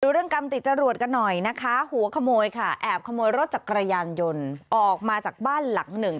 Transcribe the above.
เรื่องกรรมติดจรวดกันหน่อยนะคะหัวขโมยค่ะแอบขโมยรถจักรยานยนต์ออกมาจากบ้านหลังหนึ่ง